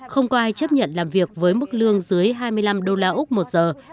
không có ai chấp nhận làm việc với mức lương dưới hai mươi năm đô la úc một giờ